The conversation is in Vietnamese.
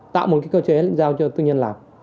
tạo một cơ chế giao cho tư nhân làm